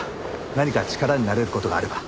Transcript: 何か力になれる事があれば。